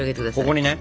ここにね。